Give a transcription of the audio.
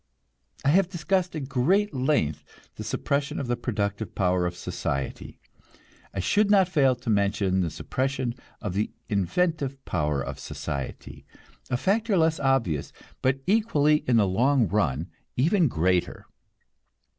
I have discussed at great length the suppression of the productive power of society. I should not fail to mention the suppression of the inventive power of society, a factor less obvious, but probably in the long run even greater.